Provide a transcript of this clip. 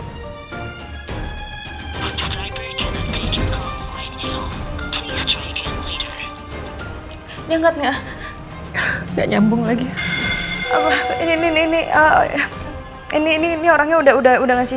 nyangatnya enggak nyambung lagi ini ini ini ini ini orangnya udah udah udah ngasih